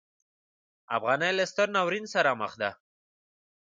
افغانۍ له ستر ناورین سره مخ ده.